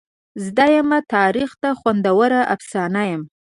زده یمه تاریخ ته خوندوره افسانه یمه.